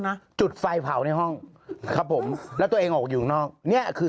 นะจุดไฟเผาในห้องครับผมแล้วตัวเองออกอยู่ข้างนอกเนี้ยคือ